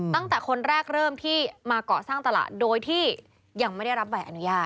ตั้งแต่คนแรกเริ่มที่มาเกาะสร้างตลาดโดยที่ยังไม่ได้รับใบอนุญาต